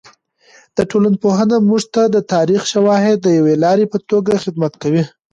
د ټولنپوهنه موږ ته د تاریخي شواهدو د یوې لارې په توګه خدمت کوي.